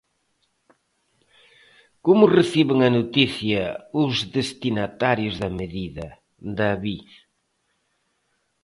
Como reciben a noticia os destinatarios da medida, David?